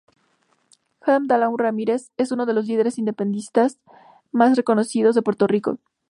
Juan Dalmau Ramírez es uno de los líderes independentistas más reconocidos de Puerto Rico.